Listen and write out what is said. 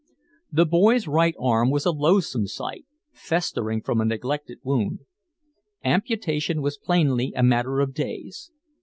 The boy's right arm was a loathsome sight, festering from a neglected wound. Amputation was plainly a matter of days.